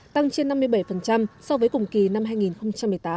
tăng trên năm mươi bảy so với cùng kỳ năm hai nghìn một mươi tám